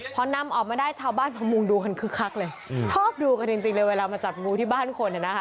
พอนำออกมาได้ชาวบ้านมามุงดูกันคึกคักเลยชอบดูกันจริงเลยเวลามาจับงูที่บ้านคนเนี่ยนะคะ